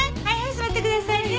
座ってくださいね。